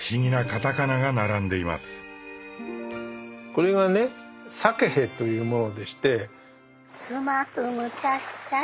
これがね「サケヘ」というものでして。